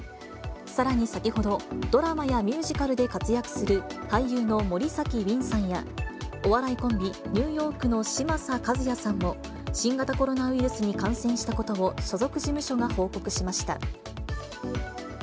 さらに先ほど、ドラマやミュージカルで活躍する俳優の森崎ウィンさんや、お笑いコンビ、ニューヨークの嶋佐和也さんも、新型コロナウイルスに感染したことを所属事務所が報告しました。